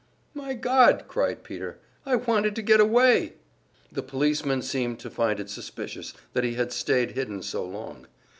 "My God!" cried Peter. "I wanted to get away!" The policemen seemed to find it suspicious that he had stayed hidden so long.